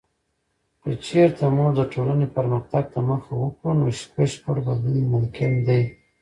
که چیرته موږ د ټولنې پرمختګ ته مخه وکړو، نو بشپړ بدلون ممکن دی.